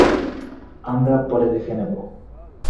আমরা পরে দেখে নেব।